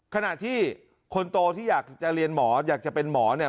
ขณะที่คนโตที่อยากจะเรียนหมออยากจะเป็นหมอเนี่ย